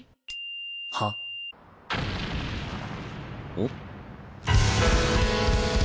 おっ？